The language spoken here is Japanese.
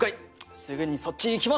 すぐにそっちに行きます！